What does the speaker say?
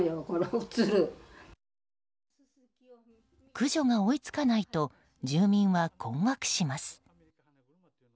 駆除が追い付かないと住民は困惑します。